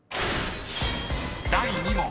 ［第２問］